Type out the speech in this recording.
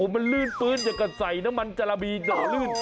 มันลื่นฟื้นอย่ากับใส่น้ำมันจาระบีด่าลื่น